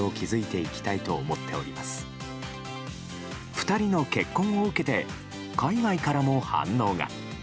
２人の結婚を受けて海外からも反応が。